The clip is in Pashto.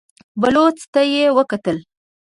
بلوڅ ته يې وکتل.